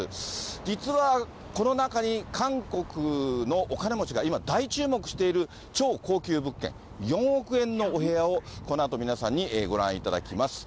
実はこの中に韓国のお金持ちが今、大注目している超高級物件、４億円のお部屋を、このあと皆さんにご覧いただきます。